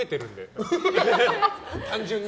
単純に？